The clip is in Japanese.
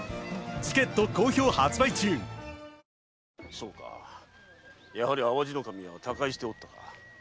そうかやはり淡路守は他界しておったか。